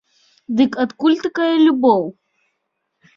Дык адкуль такая любоў?